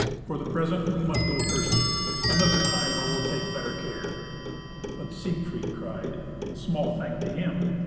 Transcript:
For the present we must go thirsty; another time I will take better care." But Siegfried cried, "Small thank to him.